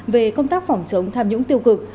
về công tác phòng chống tham nhũng tiêu cực